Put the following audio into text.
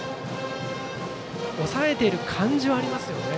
抑えている感じはありますね。